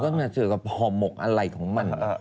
จะเข้ารับจึงกับหอมกอะไรของมัน